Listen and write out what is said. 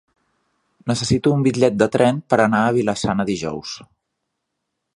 Necessito un bitllet de tren per anar a Vila-sana dijous.